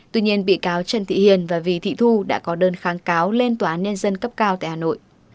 tuy nhiên bị cáo trần thị hiền và vì thị thu đã có đơn kháng cáo lên tòa án nhân dân cấp cao tại hà nội